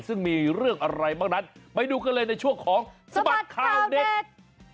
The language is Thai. ซึ่งมีเรื่องอะไรบ้างนั้นไปดูกันเลยในช่วงของสบัดข่าวเด็ก